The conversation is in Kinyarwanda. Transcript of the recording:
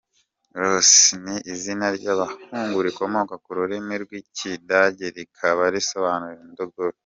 Ross ni izina ry’abahungu rikomoka ku rurimi rw’Ikidage rikaba risobanura “Indogobe”.